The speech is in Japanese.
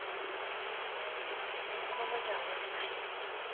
このままじゃ終われない。